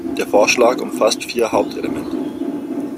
Der Vorschlag umfasst vier Hauptelemente.